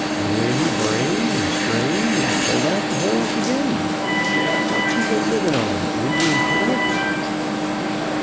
Then he brayed, and strained, and pulled out the holes agin. What's he been livin' on? Indian turnips?"